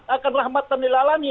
akan rahmat dan dilalami